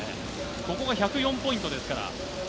ここが１０４ポイントですから。